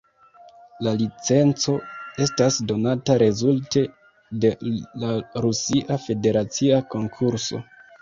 La licenco estas donata rezulte de la rusia federacia konkurso.